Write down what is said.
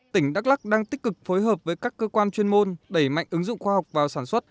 tỉnh đắk lắc đang tích cực phối hợp với các cơ quan chuyên môn đẩy mạnh ứng dụng khoa học vào sản xuất